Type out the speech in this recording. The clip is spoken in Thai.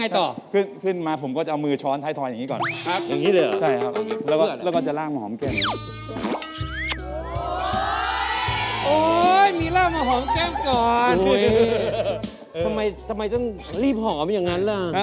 ทำไมต้องรีบหอมอย่างนั้นล่ะ